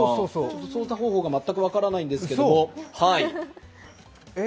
操作方法が全く分からないんですけれども。